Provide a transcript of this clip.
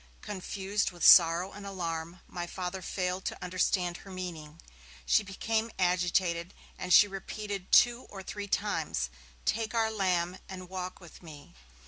Confused with sorrow and alarm, my Father failed to understand her meaning. She became agitated, and she repeated two or three times: 'Take our lamb, and walk with me!'